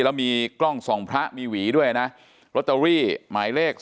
แล้วมีกล้องส่องพระมีหวีด้วยนะลอตเตอรี่หมายเลข๒